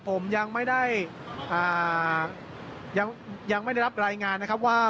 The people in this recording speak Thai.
ผมยังไม่ได้ยังไม่ได้รับรายงานนะครับว่า